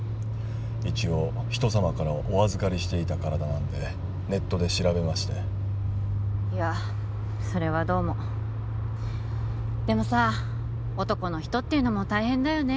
一応人様からお預かりしていた体なんでネットで調べましていやそれはどうもでもさ男の人ってのも大変だよね